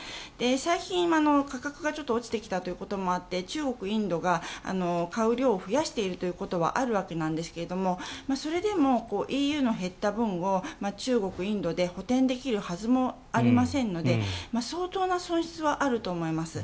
最近、価格がちょっと落ちてきたというのもあって中国、インドが買う量を増やしているということはあるわけなんですがそれでもＥＵの減った分を中国、インドで補てんできるはずもありませんので相当な損失はあると思います。